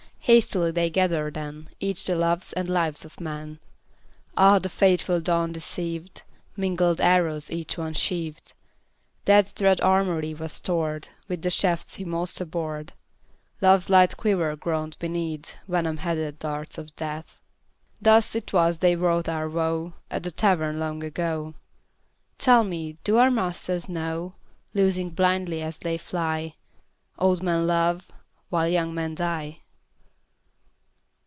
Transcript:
Hastily they gathered then Each the loves and lives of men. Ah, the fateful dawn deceived! Mingled arrows each one sheaved; Death's dread armoury was stored With the shafts he most abhorred; Love's light quiver groaned beneath Venom headed darts of Death. Thus it was they wrought our woe At the Tavern long ago. Tell me, do our masters know, Loosing blindly as they fly, Old men love while young men die?